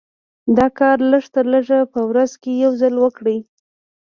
دا کار لږ تر لږه په ورځ کې يو ځل وکړئ.